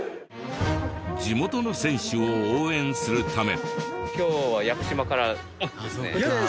地元の選手を応援するため。